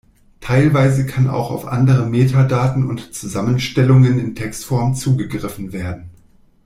Teilweise kann auch auf andere Metadaten und Zusammenstellungen in Textform zugegriffen werden.